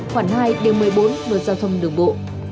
khoảng hai điều một mươi bốn luật giao thông đường bộ